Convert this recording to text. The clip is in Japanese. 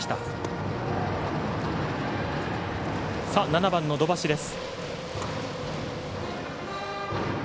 ７番の土橋です。